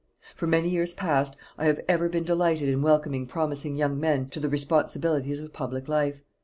For many years past, I have ever been delighted in welcoming promising young men to the responsibilities of public life.